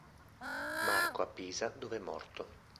Marco a Pisa dove è morto.